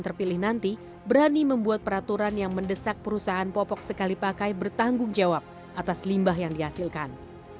terpilih nanti berani membuat peraturan yang mendesak perusahaan popok sekali pakai bertanggung jawab atas limbah yang dihasilkan